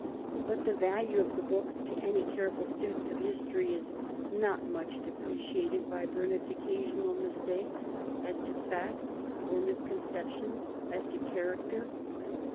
But the value of the book to any careful student of his tory is not much depreciated by Burnet's occasional mis takes as to fact or misconception as to character.